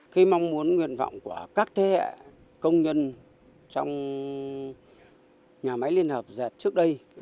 khi mong muốn nguyện vọng của các thế hệ công nhân trong nhà máy liên hợp rệt trước đây